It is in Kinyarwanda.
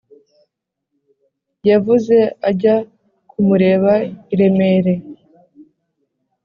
yavuze ajya kumureba i remere